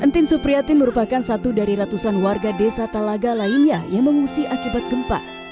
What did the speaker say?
entin supriyatin merupakan satu dari ratusan warga desa talaga lainnya yang mengungsi akibat gempa